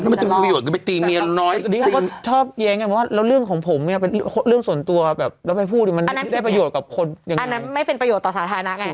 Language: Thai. อันนั้นไม่เป็นประโยชน์ต่อสาธารณะไง